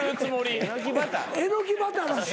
えのきバターらしい。